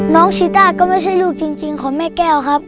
ชีต้าก็ไม่ใช่ลูกจริงของแม่แก้วครับ